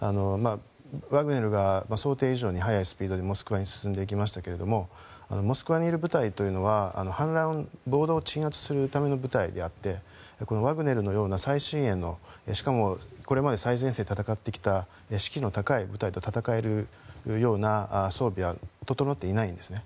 ワグネルが想定以上に速いスピードでモスクワに進んでいきましたがモスクワにいる部隊というのは反乱、暴動を鎮圧するための部隊であってこのワグネルのような最新鋭のしかも、これまで最前線で戦ってきた士気の高い部隊と戦えるような整っていないんですね。